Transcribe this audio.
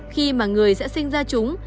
khi mà người sẽ sinh ra chúng